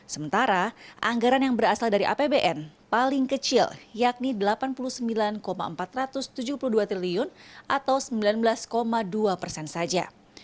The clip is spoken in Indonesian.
sementara anggaran yang berasal dari apbn paling kecil yakni delapan puluh sembilan empat ratus tujuh puluh dua triliun atau sembilan belas dua persen saja